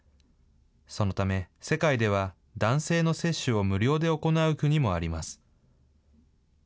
そのため、世界では男性の接種を無料で行う国もあります。